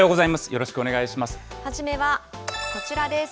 よろしくお願いします。